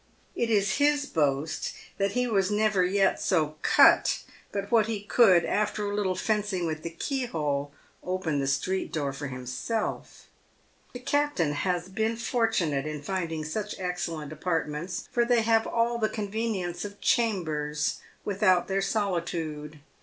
It is his boast that he was never yet so " cut" but what he could, after a little fencing with the keyhole, open the street door for himself. The captain has been fortunate in finding such excellent apartments, for they have all the convenience of chambers, without their solitude.